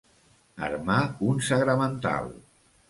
Armar un sagramental.